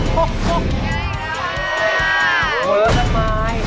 ผลไม้